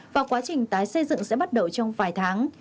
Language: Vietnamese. và quá trình tái xây dựng sẽ bắt đầu trong vài tháng